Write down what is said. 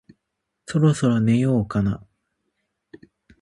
そろそろ寝ようかな